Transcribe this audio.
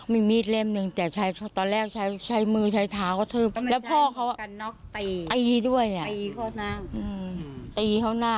เมฆเล็มตอนแรกใช้มือใช้เท้าแล้วพ่อเกระเกลี้อะ